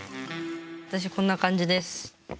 私こんな感じです。